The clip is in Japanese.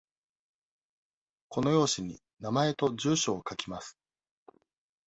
この用紙に名前と住所を書きます。